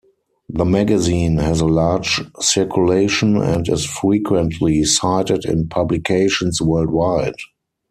The magazine has a large circulation and is frequently cited in publications worldwide.